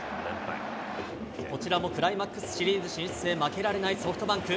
こちらもクライマックスシリーズ進出へ、負けられないソフトバンク。